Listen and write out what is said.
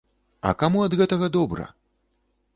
А каму ад гэтага добра?